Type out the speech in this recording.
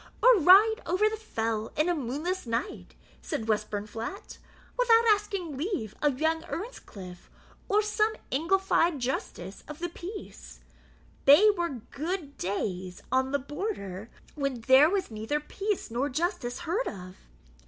"Or ride over the fell in a moonless night," said Westburnflat, "without asking leave of young Earnscliff; or some Englified justice of the peace: thae were gude days on the Border when there was neither peace nor justice heard of."